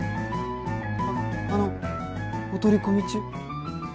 あのお取り込み中？